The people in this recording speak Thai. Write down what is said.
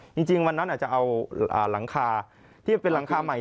จริงวันนั้นอาจจะเอาหลังคาที่เป็นหลังคาใหม่